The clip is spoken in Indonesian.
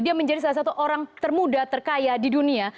dia menjadi salah satu orang termuda terkaya di dunia